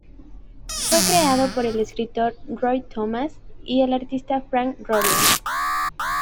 Fue creado por el escritor Roy Thomas y el artista Frank Robbins.